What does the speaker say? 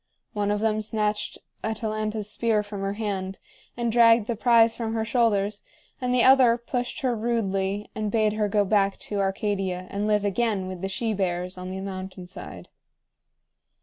One of them snatched Atalanta's spear from her hand, and dragged the prize from her shoulders, and the other pushed her rudely and bade her go back to Arcadia and live again with the she bears on the mountain side.